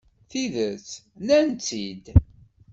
Tidet, nnan-tt-id.